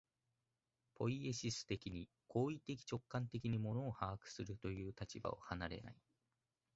ポイエシス的に、行為的直観的に物を把握するという立場を離れない。